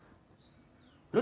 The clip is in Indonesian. si tajudin kan nganggur tuh